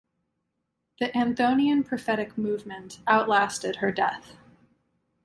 The Anthonian prophetic movement outlasted her death.